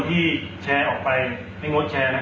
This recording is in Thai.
ที่แชร์ออกไปและไม่งดแชร์นะครับ